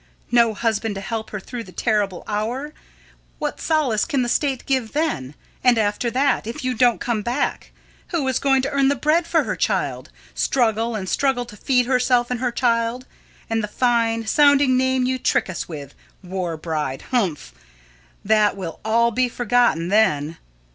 No husband to help her through the terrible hour. What solace can the state give then? And after that, if you don't come back, who is going to earn the bread for her child? Struggle and struggle to feed herself and her child; and the fine sounding name you trick us with war bride! Humph! that will all be forgotten then.